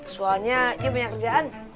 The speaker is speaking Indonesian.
soalnya ini banyak kerjaan